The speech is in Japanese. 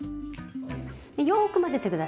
よく混ぜて下さい。